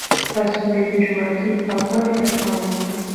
تاسي باید د جوماتونو پاکوالي ته پام وکړئ.